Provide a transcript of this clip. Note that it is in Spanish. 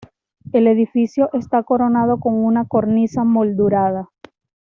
El edificio está coronado con una cornisa moldurada.